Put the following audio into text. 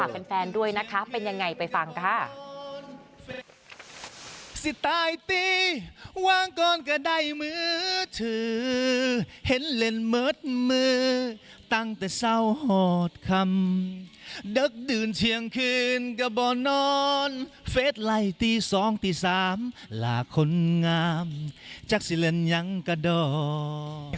แฟนด้วยนะคะเป็นยังไงไปฟังค่ะ